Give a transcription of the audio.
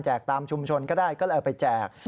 ตามชุมชนก็ได้ก็เลยเอาไปแจก